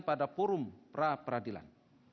pada forum pra peradilan